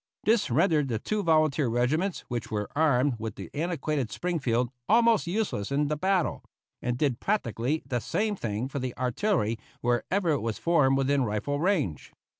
This rendered the two volunteer regiments, which were armed with the antiquated Springfield, almost useless in the battle, and did practically the same thing for the artillery wherever it was formed within rifle range.